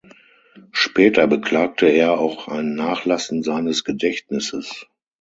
Später beklagte er auch ein Nachlassen seines Gedächtnisses.